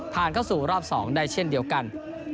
เข้าสู่รอบ๒ได้เช่นเดียวกัน